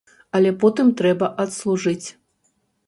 Але потым трэба адслужыць.